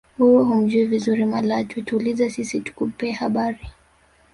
wewe humjuhi vizuri malatwe tuulize sisi tukupe habari